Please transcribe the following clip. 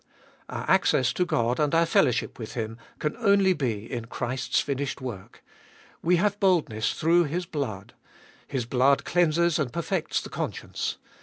Our access to God and our fellowship with Him can only be in Christ's finished work. We have boldness through His blood His blood cleanses and perfects the conscience.